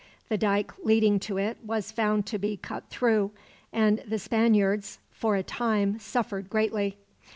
The dike leading to it was found to be cut through; and the Spaniards, for a time, suffered greatly.